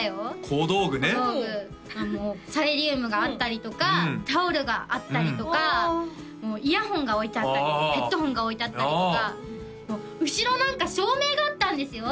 小道具サイリウムがあったりとかタオルがあったりとかイヤホンが置いてあったりヘッドホンが置いてあったりとか後ろなんか照明があったんですよ